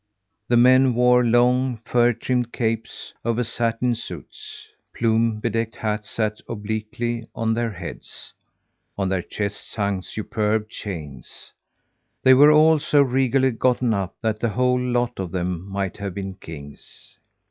The men wore long, fur trimmed capes over satin suits; plume bedecked hats sat obliquely on their heads; on their chests hung superb chains. They were all so regally gotten up that the whole lot of them might have been kings.